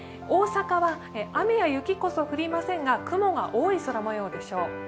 大阪は雨や雪こそ降りませんが雲が多い空もようでしょう。